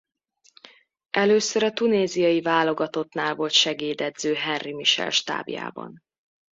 Először a tunéziai válogatottnál volt segédedző Henri Michel stábjában.